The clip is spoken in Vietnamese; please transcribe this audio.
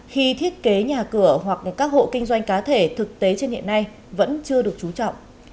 khi thiết kế nhà cửa hoặc các hộ kinh doanh cá thể thực tế trên hiện nay vẫn chưa được trú trọng